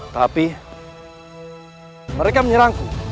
tapi mereka menyerangku